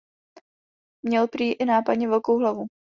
Měl prý i nápadně velkou hlavu.